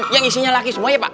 yang isinya laki semua ya pak